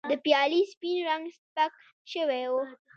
د پیالې سپین رنګ سپک شوی و.